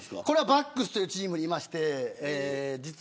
バックスというチームにいます。